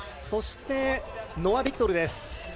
そして、ノア・ビクトルです。